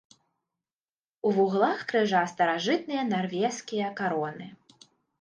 У вуглах крыжа старажытныя нарвежскія кароны.